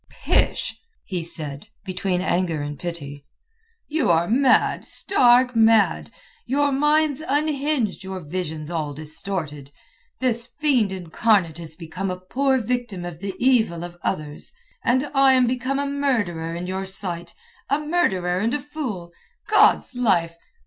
"Pish!" he said, between anger and pity, "you are mad, stark mad! Your mind's unhinged, your vision's all distorted. This fiend incarnate is become a poor victim of the evil of others; and I am become a murderer in your sight—a murderer and a fool. God's Life!